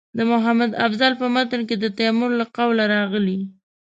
د محمد افضل په متن کې د تیمور له قوله راغلي.